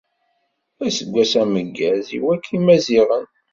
Aseggas ameggaz i wakk Imaziɣen.